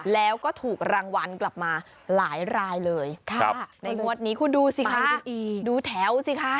แล้วก็ถูกรางวัลกลับมาหลายรายเลยในงวดนี้คุณดูสิคะดูแถวสิคะ